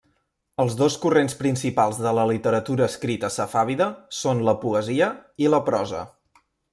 Els dos corrents principals de la literatura escrita safàvida són la poesia i la prosa.